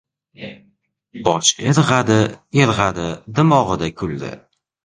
Bosh irg‘adi-irg‘adi, dimog‘ida kuldi.